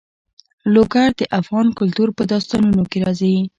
لوگر د افغان کلتور په داستانونو کې راځي.